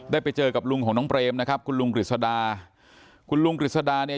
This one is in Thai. ไปเจอกับลุงของน้องเปรมนะครับคุณลุงกฤษดาคุณลุงกฤษดาเนี่ย